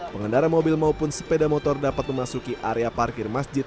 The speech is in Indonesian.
pengendara mobil maupun sepeda motor dapat memasuki area parkir masjid